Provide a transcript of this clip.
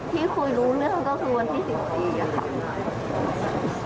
ที่คุยรู้เรื่องก็คือวันที่๑๔ค่ะ